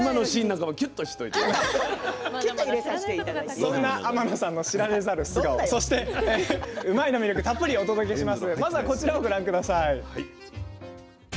そんな天野さんの知られざる素顔そして「うまいッ！」の魅力をたっぷりお届けします。